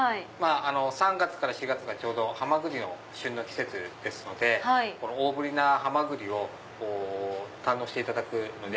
３月から４月がハマグリの旬の季節ですので大ぶりなハマグリを堪能していただく。